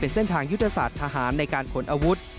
เส้นทางยุทธศาสตร์ทหารในการขนอาวุธ